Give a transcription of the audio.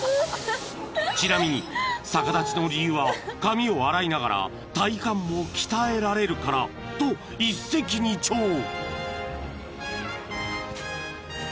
［ちなみに逆立ちの理由は髪を洗いながら体幹も鍛えられるからと一石二鳥］